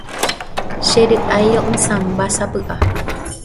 Chery'airo'ysãmbásapy'a.